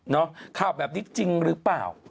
ข่าวแบบนี้จริงหรือเปล่า